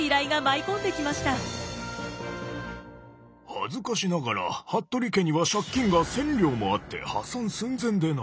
恥ずかしながら服部家には借金が１，０００両もあって破産寸前でな。